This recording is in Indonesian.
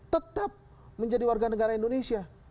tetap menjadi warga negara indonesia